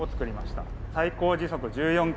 最高時速１４キロ。